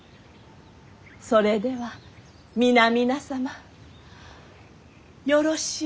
それでは皆々様よろしゅう